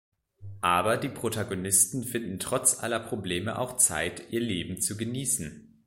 Aber die Protagonisten finden trotz aller Probleme auch Zeit, ihr Leben zu genießen.